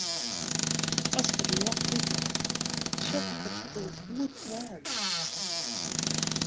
At ik it ljocht útdoch, sjoch ik dat it al oer twaen is.